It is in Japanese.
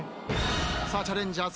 さあチャレンジャー